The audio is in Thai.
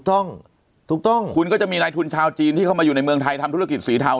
ถูกต้องถูกต้องคุณก็จะมีนายทุนชาวจีนที่เข้ามาอยู่ในเมืองไทยทำธุรกิจสีเทา